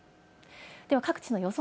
では各地の予想